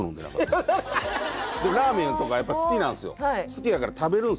俺ラーメンとかやっぱり好きなんすよ